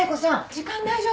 時間大丈夫？